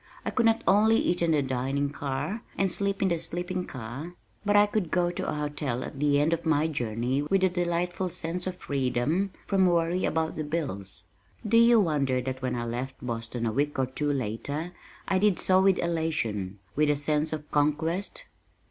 I could not only eat in the dining car, and sleep in the sleeping car, but I could go to a hotel at the end of my journey with a delightful sense of freedom from worry about the bills. Do you wonder that when I left Boston a week or two later, I did so with elation with a sense of conquest?